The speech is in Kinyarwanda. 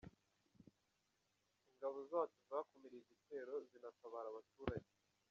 Ingabo zacu zakumiriye igitero zinatabara abaturage.